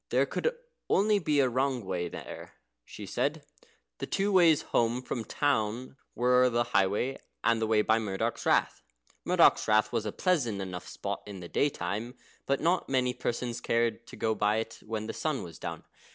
(There could only be a wrong way there, she said.) The two ways home from the town were the highway, and the way by Murdoch's Rath. Murdoch's Rath was a pleasant enough spot in the daytime, but not many persons cared to go by it when the sun was down.